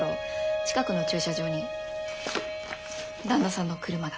近くの駐車場に旦那さんの車が。